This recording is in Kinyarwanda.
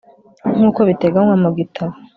nk uko biteganywa mu gitabo